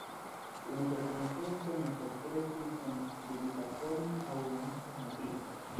La interkonsento ne postrestis en skribita formo aŭ ne estis notita.